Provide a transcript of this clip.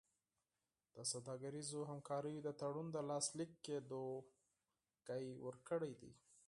د سوداګریزو همکاریو د تړون د لاسلیک کېدو خبر ورکړی دی.